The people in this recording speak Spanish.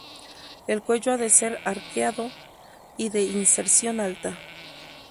El cuello ha de ser arqueado y de inserción alta.